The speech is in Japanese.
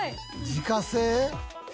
「自家製？」